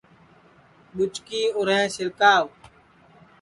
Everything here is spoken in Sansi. ٻُچکی اُرینٚھ سِرکاوَ